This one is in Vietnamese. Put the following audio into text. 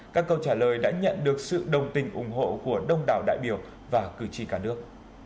các câu trả lời đã nhận được sự đồng tình ủng hộ của đông đảo đại biểu và cử tri cả nước